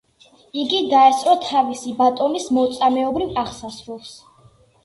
იგი დაესწრო თავისი ბატონის მოწამეობრივ აღსასრულს.